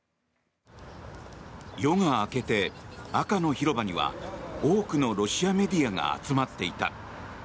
夜が明けて、赤の広場には多くのロシアメディアが集まっていた。